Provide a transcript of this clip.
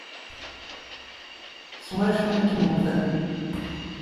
S wacu ay kem-wten?